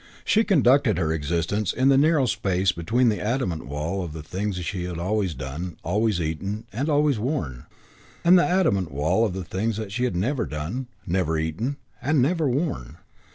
She conducted her existence in the narrow space between the adamant wall of the things she had always done, always eaten, and always worn, and the adamant wall of the things she had never done, never eaten, and never worn.